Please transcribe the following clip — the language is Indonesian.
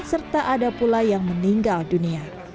serta ada pula yang meninggal dunia